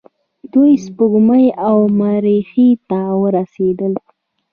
دوی سپوږمۍ او مریخ ته ورسیدل.